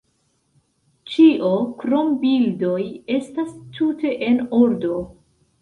Ĉio krom bildoj estas tute en ordo.